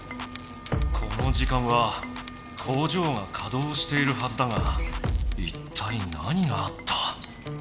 この時間は工場がかどうしているはずだがいったい何があった？